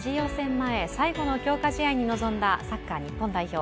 前最後の強化試合に臨んだサッカー日本代表。